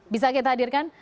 bisa kita hadirkan